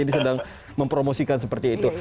ini sedang mempromosikan seperti itu